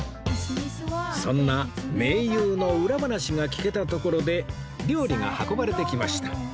そんな名優の裏話が聞けたところで料理が運ばれてきました